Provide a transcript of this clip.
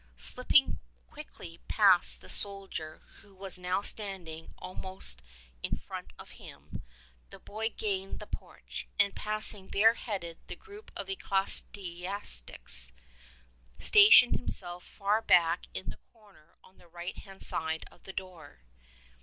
Slip ping quickly past the soldier who was now standing almost in front of him, the boy gained the porch, and passing bare headed the group of ecclesiastics, stationed himself far back in the corner on the right hand side of the door.